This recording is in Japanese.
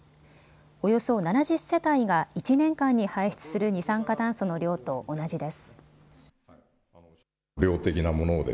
およそ７０世帯が１年間に排出する二酸化炭素の量と同じです。